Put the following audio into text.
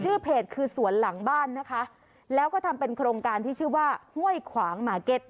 เพจคือสวนหลังบ้านนะคะแล้วก็ทำเป็นโครงการที่ชื่อว่าห้วยขวางหมาเก็ต